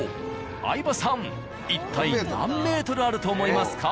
相葉さん一体何ｍあると思いますか？